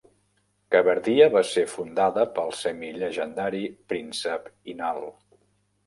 Kabardia va ser fundada pel semi-llegendari Príncep Inal.